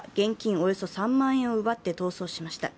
およそ３万円を奪って逃走しました。